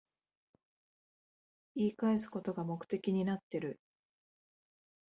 言い返すことが目的になってる